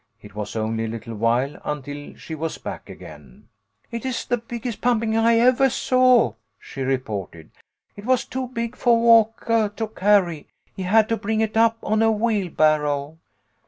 It was only a little while until she was back again. "It is the biggest pumpkin I evah saw," she HOME LESSONS. 143 reported. " It was too big fo' Walkah to carry. He had to bring it up on a wheelbarrow."